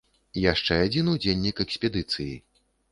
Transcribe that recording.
Яшчэ адзін удзельнік экспедыцыі.